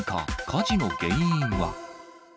火事の原因は？